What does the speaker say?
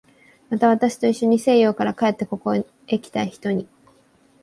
また、私といっしょに西洋から帰ってここへきた人に